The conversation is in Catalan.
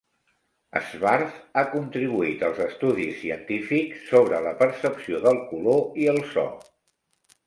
Schwartz ha contribuït als estudis científics sobre la percepció del color i el so.